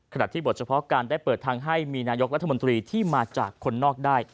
ที่บทเฉพาะการได้เปิดทางให้มีนายกรัฐมนตรีที่มาจากคนนอกได้